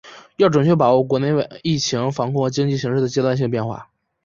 要准确把握国内外疫情防控和经济形势的阶段性变化